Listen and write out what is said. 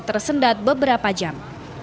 tersendat beberapa jam